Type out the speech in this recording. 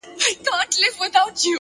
د نورو درناوی خپله سترتیا ده.!